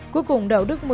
cuối cùng đầu đức một mươi